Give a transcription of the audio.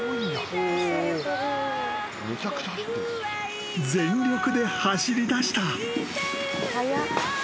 ［全力で走りだした］